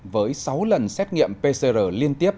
với sáu lần xét nghiệm pcr liên tiếp